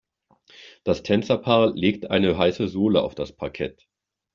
Das Tänzerpaar legt eine heiße Sohle auf das Parkett.